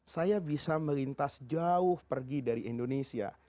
saya bisa melintas jauh pergi dari indonesia